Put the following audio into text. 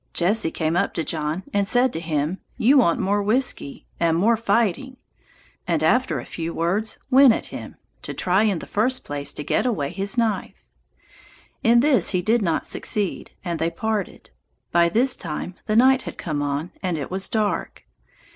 Jesse came up to John, and said to him, you want more whiskey, and more fighting, and after a few words went at him, to try in the first place to get away his knife. In this he did not succeed, and they parted. By this time the night had come on, and it was dark.